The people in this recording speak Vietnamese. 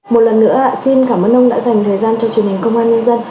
một lần nữa xin cảm ơn ông đã dành thời gian cho truyền hình công an nhân dân